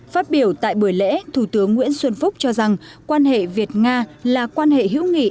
phát biểu tại buổi lễ thủ tướng nguyễn xuân phúc cho rằng quan hệ việt nga là quan hệ hữu nghị